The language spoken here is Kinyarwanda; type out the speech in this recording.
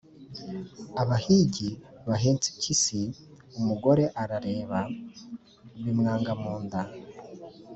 abahigi bahetse impyisi. Umugore arareba, bimwanga mu nda